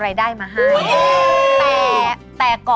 สวัสดีครับ